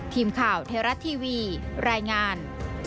ทีมข่าวไทยรัฐทีวีรายงาน